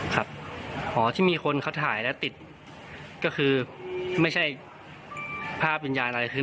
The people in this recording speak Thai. ครับที่มีคนเขาถ่ายแล้วติดก็คือไม่ใช่ภาพยนตร์อะไรขึ้น